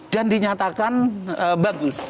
dan dinyatakan bagus